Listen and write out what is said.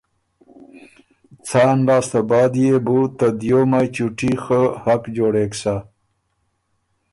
څان لاسته بعد يې بو ته دیو مایٛ چُوټي خه حق جوړېک سۀ